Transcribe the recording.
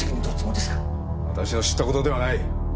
私の知った事ではない。